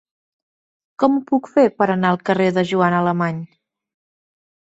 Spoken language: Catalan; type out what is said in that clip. Com ho puc fer per anar al carrer de Joana Alemany?